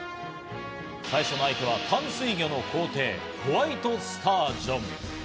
最初の相手は淡水魚の皇帝・ホワイトスタージョン。